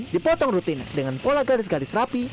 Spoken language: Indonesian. dipotong rutin dengan pola garis garis rapi